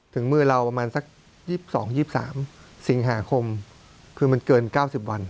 ถึงมือเราประมาณสัก๒๒๒๓สิงหาคมคือมันเกิน๙๐วัน